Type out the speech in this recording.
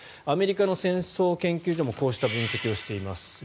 アメリカの戦争研究所もこうした分析をしています。